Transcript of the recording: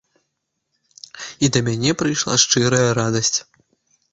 І да мяне прыйшла шчырая радасць.